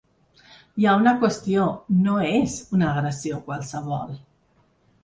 Hi ha una qüestió: no és una agressió qualsevol.